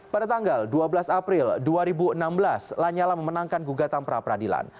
pada tanggal dua belas april dua ribu enam belas lanyala memenangkan gugatan pra peradilan